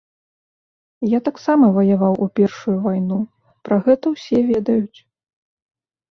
Я таксама ваяваў у першую вайну, пра гэта ўсе ведаюць.